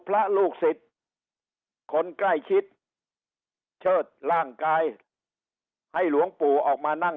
ลูกศิษย์คนใกล้ชิดเชิดร่างกายให้หลวงปู่ออกมานั่ง